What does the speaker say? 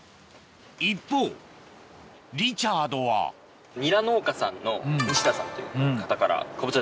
一方リチャードはニラ農家さんの西田さんという方からかぼちゃです。